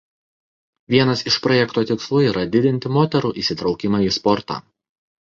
Vienas iš projekto tikslų yra didinti moterų įsitraukimą į sportą.